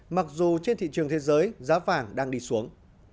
mặc dù trên thị trường thế giới giá vàng đang đi xuống